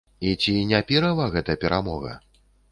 І ці не пірава гэта перамога?